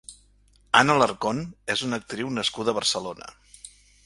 Anna Alarcón és una actriu nascuda a Barcelona.